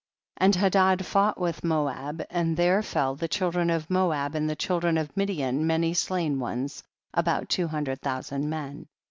9. And Hadad fought with Moab, and there fell of the cliildren of Moab and the children of Midian many slain ones, about two hundred thousand men.